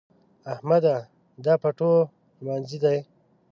احمده! دا پټو لمانځي دی؟